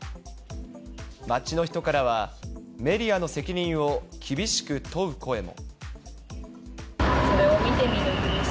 街の人からは、メディアの責任を厳しく問う声も。